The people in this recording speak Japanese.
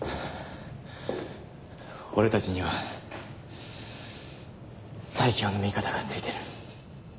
俺たちには最強の味方がついてる。